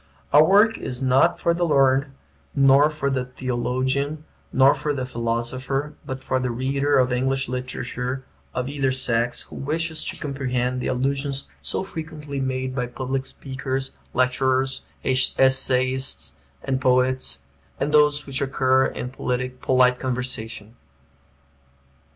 Our work is not for the learned, nor for the theologian, nor for the philosopher, but for the reader of English literature, of either sex, who wishes to comprehend the allusions so frequently made by public speakers, lecturers, essayists, and poets, and those which occur in polite conversation.